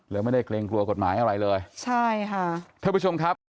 แล้วไม่ได้เกรงกลัวกฎหมายอะไรเลยทุกผู้ชมครับ